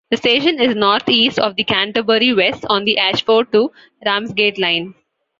The station is north east of Canterbury West on the Ashford to Ramsgate Line.